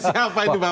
siapa itu bapak ini